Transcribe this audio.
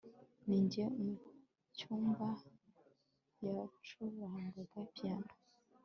Ninjiye mucyumba yacurangaga piyano